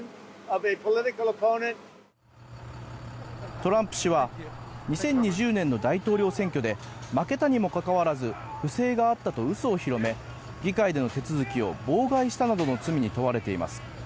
トランプ氏は２０２０年の大統領選挙で負けたにもかかわらず不正があったと嘘を広げ議会での手続きを妨害したなどの罪に問われています。